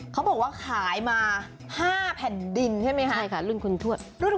ใช่แล้ว